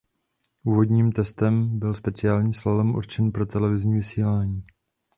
Úvodním testem byl speciální slalom určený pro televizní vysílání.